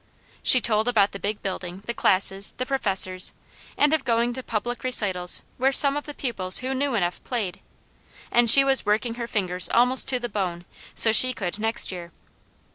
She told about the big building, the classes, the professors, and of going to public recitals where some of the pupils who knew enough played; and she was working her fingers almost to the bone, so she could next year.